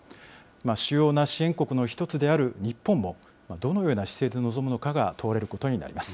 主要な支援国の一つである日本も、どのような姿勢で臨むのかが問われることになります。